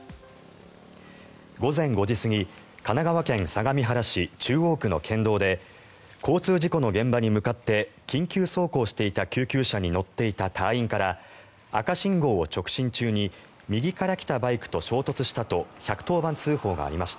午前５時すぎ神奈川県相模原市中央区の県道で交通事故の現場に向かって緊急走行していた救急車に乗っていた隊員から赤信号を直進中に右から来たバイクと衝突したと１１０番通報がありました。